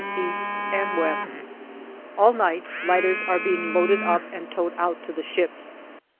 East and West. All night, lighters are being loaded up and towed out to the ships.